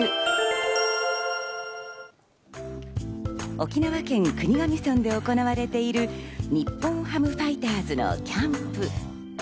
沖縄県国頭村で行われている日本ハムファイターズのキャンプ。